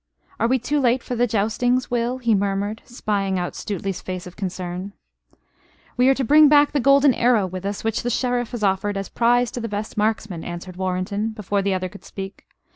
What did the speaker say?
"Are we too late for the joustings, Will?" he murmured, spying out Stuteley's face of concern. "We are to bring back the golden arrow with us which the Sheriff has offered as prize to the best marksman," answered Warrenton, before the other could speak.